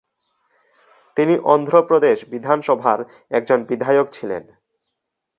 তিনি অন্ধ্রপ্রদেশ বিধানসভার একজন বিধায়ক ছিলেন।